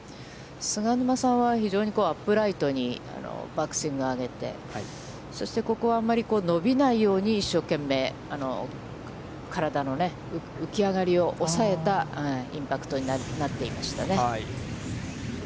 菅沼さんは、非常にアップライトにバックスイングを上げて、ここはあんまり伸びないように一生懸命、体の浮き上がりを抑えたインパクトになっていましたね。